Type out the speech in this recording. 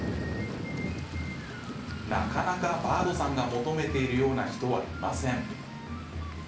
なかなかバードさんが求めているような人はいません。